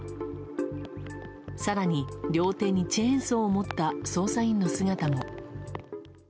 更に両手にチェーンソーを持った捜査員の姿も。